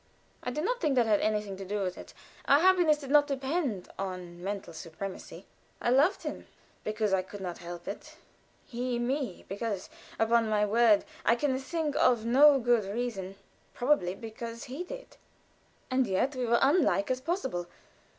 I do not think that had anything to do with it. Our happiness did not depend on mental supremacy. I loved him because I could not help it; he me, because upon my word, I can think of no good reason probably because he did. And yet we were as unlike as possible.